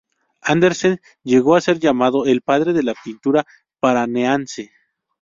Andersen llegó a ser llamado el "padre de la pintura Paranaense".